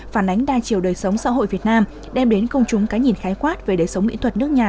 phản ánh đa chiều đời sống xã hội việt nam đem đến công chúng cái nhìn khái quát về đời sống mỹ thuật nước nhà